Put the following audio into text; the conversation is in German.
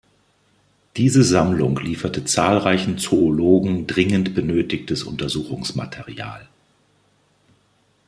Diese Sammlung lieferte zahlreichen Zoologen dringend benötigtes Untersuchungsmaterial.